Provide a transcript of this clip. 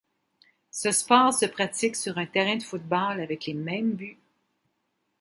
Ce sport se pratique sur un terrain de football, avec les mêmes buts.